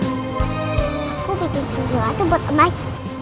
aku bikin sesuatu buat om baik